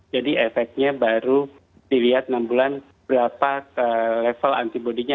jadi efeknya baru dilihat enam bulan berapa level antibody nya